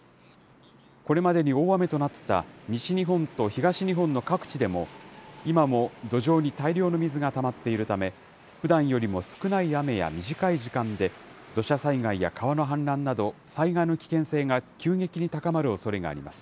これまでに大雨となった西日本と東日本の各地でも、今も土壌に大量の水がたまっているため、ふだんよりも少ない雨や短い時間で土砂災害や川の氾濫など、災害の危険性が急激に高まるおそれがあります。